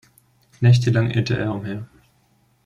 Nächtelang irrte er umher.